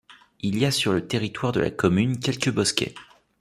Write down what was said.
Il y a sur le territoire de la commune quelques bosquets.